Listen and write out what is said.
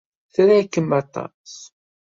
Tra-kem aṭas.